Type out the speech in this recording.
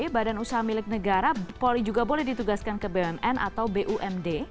badan usaha milik negara polri juga boleh ditugaskan ke bumn atau bumd